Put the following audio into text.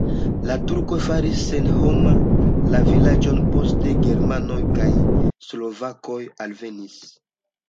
La turkoj faris senhoma la vilaĝon, poste germanoj kaj slovakoj alvenis.